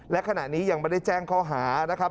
และขณะนี้ยังไม่ได้แจ้งข้อหานะครับ